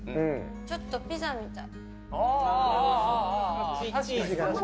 ちょっとピザみたい。